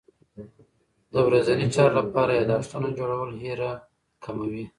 د ورځني چارو لپاره یادښتونه جوړول هېره کمه وي.